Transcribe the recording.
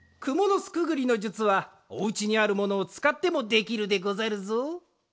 くもの巣くぐりの術はお家にあるものをつかってもできるでござるぞ。